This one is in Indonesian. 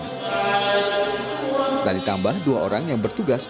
setelah ditambah dua orang yang bertugas